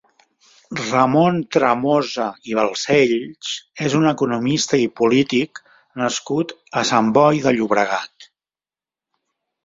Ramon Tremosa i Balcells és un economista i polític nascut a Sant Boi de Llobregat.